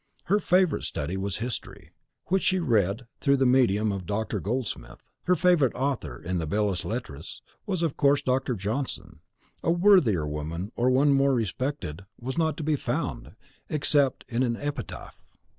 Her favourite study was history, which she read through the medium of Dr. Goldsmith. Her favourite author in the belles lettres was, of course, Dr. Johnson. A worthier woman, or one more respected, was not to be found, except in an epitaph!